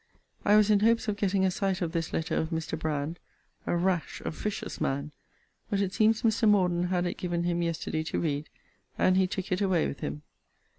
I was in hopes of getting a sight of this letter of Mr. Brand: (a rash officious man!) but it seems Mr. Morden had it given him yesterday to read, and he took it away with him.